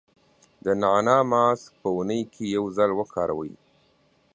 د نعناع ماسک په اونۍ کې یو ځل وکاروئ.